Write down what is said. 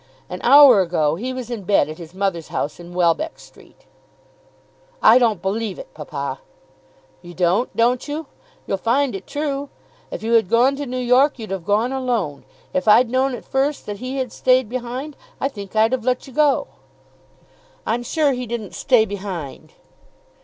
"An hour ago he was in bed at his mother's house in Welbeck Street." "I don't believe it, papa." "You don't, don't you? You'll find it true. If you had gone to New York, you'd have gone alone. If I'd known at first that he had stayed behind, I think I'd have let you go." "I'm sure he didn't stay behind."